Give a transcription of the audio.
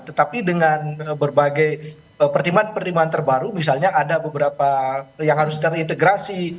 tetapi dengan berbagai pertimbangan pertimbangan terbaru misalnya ada beberapa yang harus terintegrasi